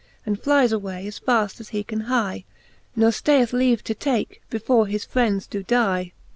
And flycs away as faft as he can hye, Ne ftayeth leave to take, before his friends doe dye, XIX.